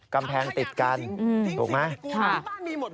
กำแพงติดกันถูกไหม